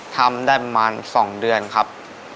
ทำได้ประมาณ๒เดือนครับ